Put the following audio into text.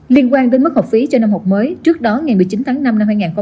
liên quan đến mức học phí cho năm học mới trước đó ngày một mươi chín tháng năm năm hai nghìn hai mươi